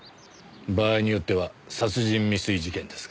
場合によっては殺人未遂事件ですが。